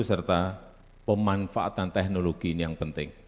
serta pemanfaatan teknologi ini yang penting